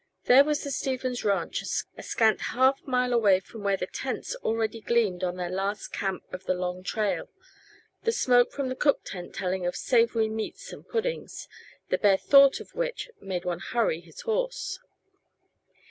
There was the Stevens ranch, a scant half mile away from where the tents already gleamed on their last camp of the long trail; the smoke from the cook tent telling of savory meats and puddings, the bare thought of which made one hurry his horse.